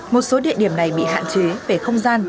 một số địa điểm này bị hạn chế về không gian